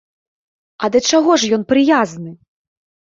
А да чаго ж ён прыязны?